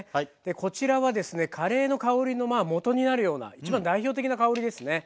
こちらはですねカレーの香りのもとになるような一番代表的な香りですね。